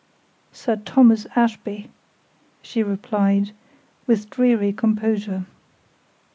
"Sir Thomas Ashby," she replied, with dreary composure.